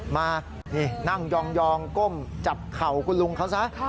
มานี่นั่งยองก้มจับเข่าคุณลุงเขาซะ